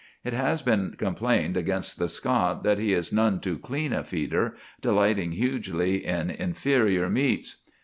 It has been complained against the Scot that he is none too clean a feeder, delighting hugely in inferior meats.